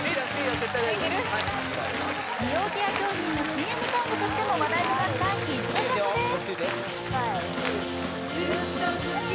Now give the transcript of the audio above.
はい美容ケア商品のＣＭソングとしても話題となったヒット曲です